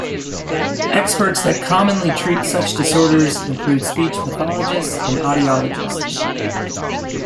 Experts that commonly treat such disorders include speech pathologists and audiologists.